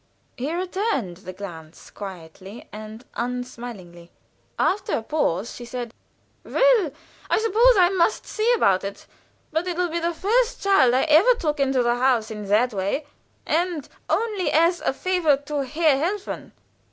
He returned the glance quietly and unsmilingly. After a pause she said: "Well, I suppose I must see about it, but it will be the first child I ever took into the house, in that way, and only as a favor to Herr Helfen."